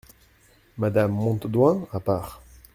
Madame Montaudoin , à part.